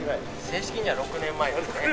正式には６年前ですね。